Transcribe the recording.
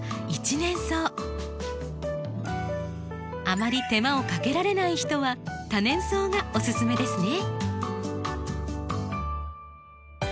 あまり手間をかけられない人は多年草がおすすめですね。